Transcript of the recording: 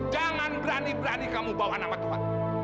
jangan berani berani kamu bawa nama tuhan